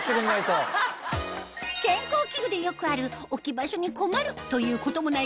健康器具でよくある置き場所に困るということもない